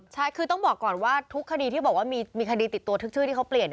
ใช่คือต้องบอกก่อนว่าทุกคดีที่บอกว่ามีคดีติดตัวทุกชื่อที่เขาเปลี่ยน